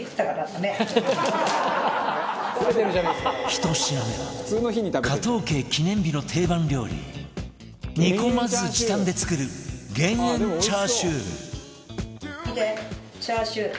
１品目は加藤家記念日の定番料理煮込まず時短で作る減塩チャーシュー見てチャーシュー。